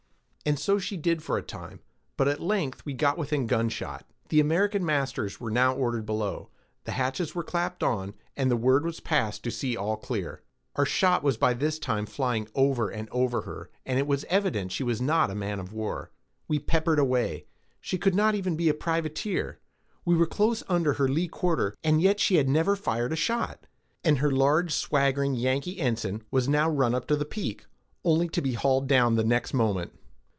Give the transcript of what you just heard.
And so she did for a time, but at length we got within gun shot. The American masters were now ordered below, the hatches were clapped on, and the word was passed to see all clear. Our shot was by this time flying over and over her, and it was evident she was not a man of war. We peppered away—she could not even be a privateer; we were close under her lee quarter, and yet she had never fired a shot; and her large swaggering Yankee ensign was now run up to the peak, only to be hauled down the next moment.